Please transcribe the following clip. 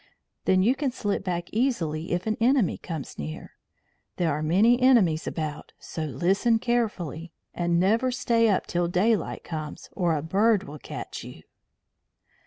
Then you can slip back easily if an enemy comes near. There are many enemies about, so listen carefully. And never stay up till daylight comes, or a bird will catch you."